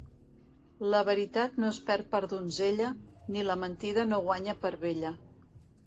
La veritat no es perd per donzella, ni la mentida no guanya per vella.